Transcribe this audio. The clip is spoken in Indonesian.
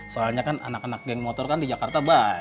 soalnya kan anak anak geng motor kan di jakarta buy